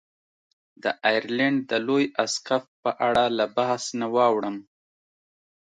د ایرلنډ د لوی اسقف په اړه له بحث نه واوړم.